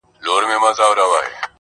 ددې خاوري ارغوان او زغن زما دی؛